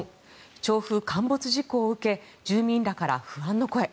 調布陥没事故を受け住民らから不安の声。